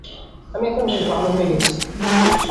আমি এখন বেশ ভাল হয়ে গেছি।